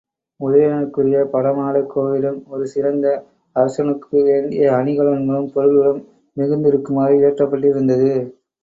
உதயணனுக்குரிய படமாடக் கோவிலிலும் ஒரு சிறந்த அரசனுக்கு வேண்டிய அணிகலன்களும் பொருள்களும் மிகுந்திருக்குமாறு இயற்றப்பட்டிருந்தது.